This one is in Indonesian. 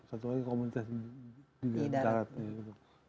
satu lagi komunitas di darat